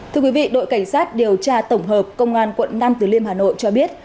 thưa quý vị đội cảnh sát điều tra tổng hợp công an quận nam từ liêm hà nội cho biết